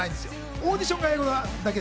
オーディション用だけで。